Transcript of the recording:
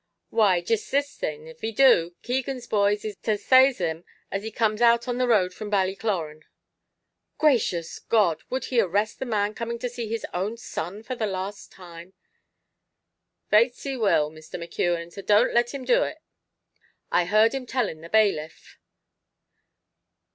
"Why jist this thin; av he do, Keegan's boys is to saze him as he comes out on the road from Ballycloran." "Gracious God! would he arrest the man coming to see his own son for the last time!" "Faix, he will, Mr. McKeon; so don't let him do it; I heard him telling the bailiff."